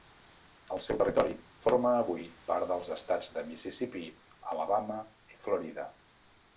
El seu territori forma avui part dels estats de Mississipí, Alabama i Florida.